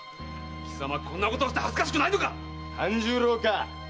貴様こんなことをして恥ずかしくないのか⁉半十郎か。